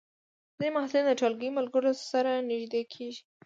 ځینې محصلین د ټولګي ملګرو سره نږدې کېږي.